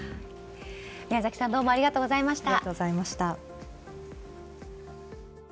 宮崎さんどうもありがとうございました。